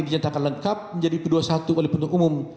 dijatakan lengkap menjadi kedua satu oleh penuntut umum